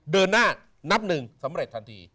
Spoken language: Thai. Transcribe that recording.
เดินหน้านับหนึ่งสำเร็จทันที